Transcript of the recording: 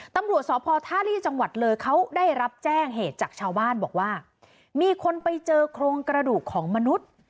ตำรวจสพท่าลีจังหวัดเลยเขาได้รับแจ้งเหตุจากชาวบ้านบอกว่ามีคนไปเจอโครงกระดูกของมนุษย์